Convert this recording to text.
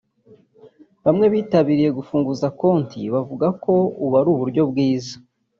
Bamwe bitabiriye gufunguza konti bavuga ko ubu ari uburyo bwiza